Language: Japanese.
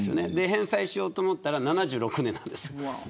返済しようと思ったら７６年です。